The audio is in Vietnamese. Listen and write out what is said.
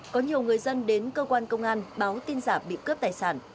có nhiều người dân đến cơ quan công an báo tin giả bị cướp tài sản